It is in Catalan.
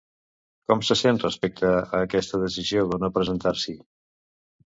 Com se sent respecte a aquesta decisió de no presentar-s'hi?